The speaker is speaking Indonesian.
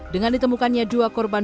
dengan ditemukannya dua korban